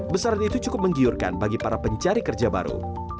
besaran itu cukup menggiurkan bagi para pencari kerja baru